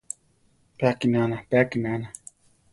Pe akinana, pe akinana!